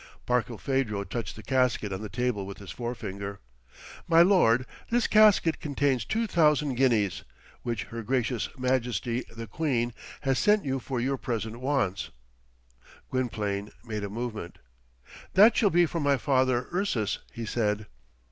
Barkilphedro touched the casket on the table with his forefinger. "My lord, this casket contains two thousand guineas which her gracious Majesty the Queen has sent you for your present wants." Gwynplaine made a movement. "That shall be for my Father Ursus," he said.